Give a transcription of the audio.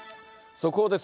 速報です。